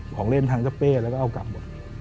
ของเล่นทางเจ้าเปรี้ยนแล้วก็เอากลับ